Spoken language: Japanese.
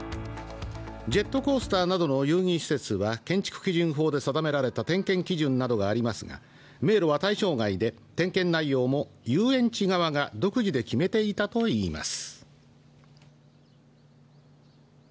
ジェットコースターなどの遊戯施設は建築基準法で定められた点検基準がありますが迷路は対象外で、点検内容も遊園地側が独自で決めていたといいます。